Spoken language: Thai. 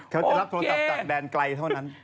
จะรับโทรศัพท์จากแดนไกลเท่านั้น